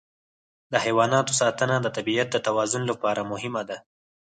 د حیواناتو ساتنه د طبیعت د توازن لپاره مهمه ده.